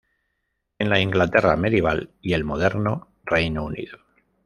En la Inglaterra medieval y el moderno Reino Unido.